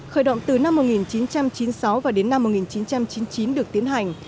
khởi động từ năm một nghìn chín trăm chín mươi sáu và đến năm một nghìn chín trăm chín mươi chín được tiến hành